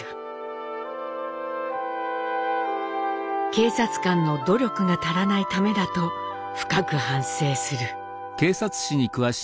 「警察官の努力がたらないためだと深く反省する」。